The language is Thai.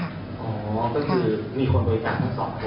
อ๋อก็คือมีคนบริจาคทั้งสองคน